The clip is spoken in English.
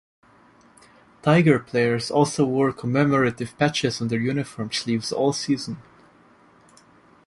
Tiger players also wore commemorative patches on their uniform sleeves all season.